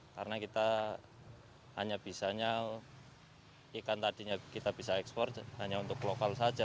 karena kita hanya bisanya ikan tadinya kita bisa ekspor hanya untuk lokal saja